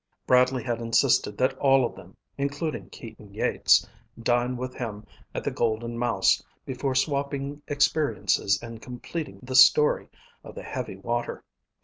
Bradley had insisted that all of them, including Keaton Yeats, dine with him at the Golden Mouse before swapping experiences and completing the story of the heavy water.